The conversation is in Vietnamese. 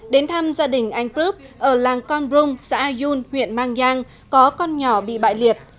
đến thăm gia đình anh crub ở làng con rung xã ayun huyện mang giang có con nhỏ bị bại liệt